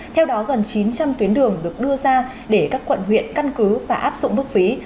theo đó gần chín trăm linh tuyến đường được đưa ra để các quận huyện căn cứ và áp dụng mức phí